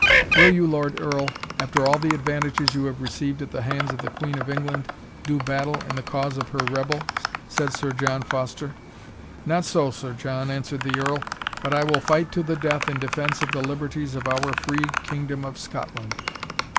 "Will you, Lord Earl, after all the advantages you have received at the hands of the Queen of England, do battle in the cause of her rebel?" said Sir John Foster. "Not so, Sir John," answered the Earl, "but I will fight to the death in defence of the liberties of our free kingdom of Scotland."